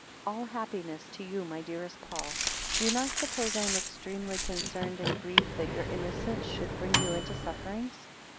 ALL happiness to you, my dearest Paul. Do you not suppose I am extremely concerned and grieved that your innocence should bring you into sufferings?